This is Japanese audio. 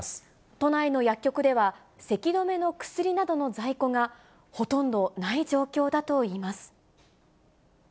都内の薬局では、せき止めの薬などの在庫がほとんどない状況だといいます。